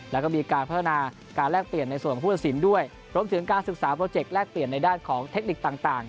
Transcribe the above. แล้วก็มีการพัฒนาการแลกเปลี่ยนในส่วนของผู้ตัดสินด้วยรวมถึงการศึกษาโปรเจกต์แลกเปลี่ยนในด้านของเทคนิคต่าง